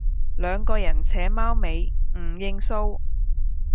兩個人扯貓尾唔認數